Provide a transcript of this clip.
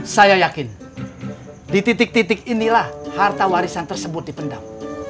saya yakin di titik titik inilah harta warisan tersebut dipendam